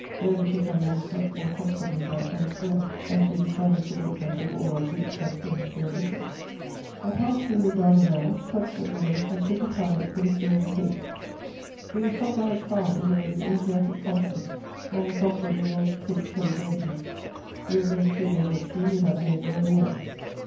There we took our meals much more comfortably than elsewhere, as we decided to wait until all our Greeks had finished their littering." [Sidenote: Mount Carmel.] I passed through the Dardanelles, touched at Rhodes, and took a pilot for the Syrian coast. We were stopped by a calm below the Asiatic continent, almost opposite the old Cape Chelidonia. We remained two days at sea without knowing where we were.